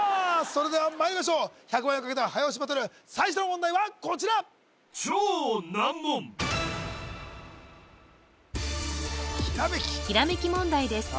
それではまいりましょう１００万円をかけた早押しバトル最初の問題はこちらひらめきひらめき問題です